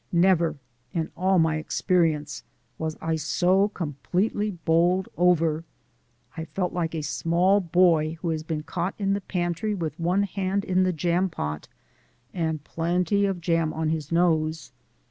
Never in all my experience was I so completely bowled over. I felt like a small boy who has been caught in the pantry with one hand in the jam pot and plenty of jam on his nose.